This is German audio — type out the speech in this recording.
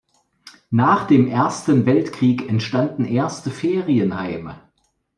Nach dem Ersten Weltkrieg entstanden erste Ferienheime.